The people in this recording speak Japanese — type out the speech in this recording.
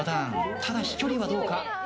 ただ飛距離はどうか。